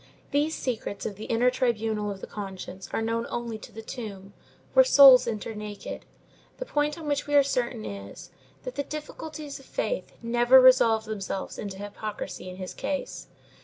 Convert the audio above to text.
These secrets of the inner tribunal of the conscience are known only to the tomb, where souls enter naked. The point on which we are certain is, that the difficulties of faith never resolved themselves into hypocrisy in his case.